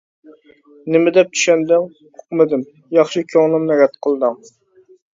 نېمە دەپ چۈشەندىڭ، ئۇقمىدىم، ياخشى كۆڭلۈمنى رەت قىلدىڭ.